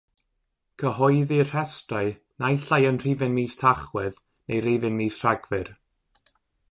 Cyhoeddir rhestrau naill ai yn rhifyn mis Tachwedd neu rifyn mis Rhagfyr.